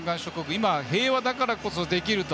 今、平和だからこそできると。